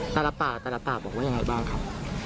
ตลับตาตลับตาบอกว่ายังไงบ้างครับ